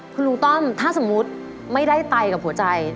คุณลุงต้อมถ้าสมมุติไม่ได้ไตกับหัวใจ